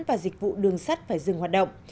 và dịch vụ đường sắt phải dừng hoạt động